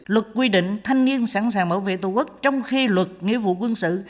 luật quy định thanh niên sẵn sàng bảo vệ tổ quốc trong khi luật nghĩa vụ quân sự